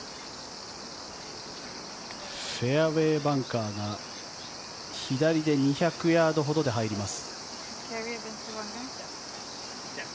フェアウェーバンカーが左で２００ヤードほどで入ります。